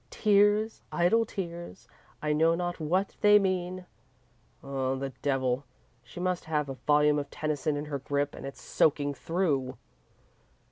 'Tears, idle tears, I know not what they mean' oh, the devil! She must have a volume of Tennyson in her grip, and it's soaking through!"